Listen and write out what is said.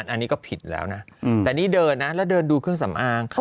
อันนี้ก็ผิดแล้วนะแต่นี่เดินนะแล้วเดินดูเครื่องสำอาง